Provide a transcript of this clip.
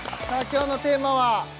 今日のテーマは？